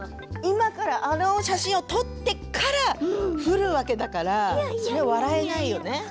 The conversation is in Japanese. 今からあの写真を撮ってから降るわけだから笑えないよね。